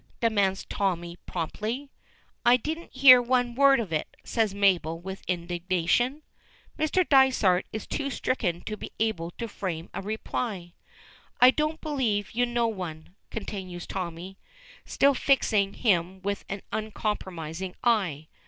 demands Tommy promptly. "I didn't hear one word of it," says Mabel with indignation. Mr. Dysart is too stricken to be able to frame a reply. "I don't believe you know one," continues Tommy, still fixing him with an uncompromising eye.